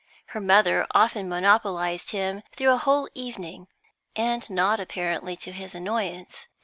Her mother often monopolised him through a whole evening, and not apparently to his annoyance.